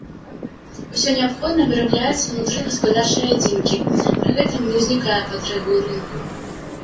Усё неабходнае вырабляецца ўнутры гаспадарчай адзінкі, пры гэтым не ўзнікае патрэбы ў рынку.